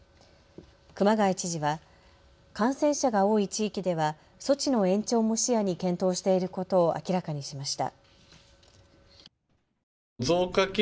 熊谷知事は感染者が多い地域では措置の延長も視野に検討していることを明らかにしました。